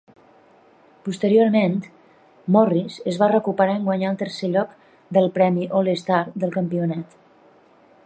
Posteriorment, Morris es va recuperar en guanyar el tercer lloc del Premi All-Star del campionat.